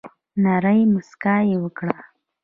نرۍ مسکا یي وکړه